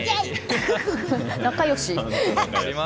仲良し。